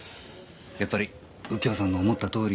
やっぱり右京さんの思ったとおり。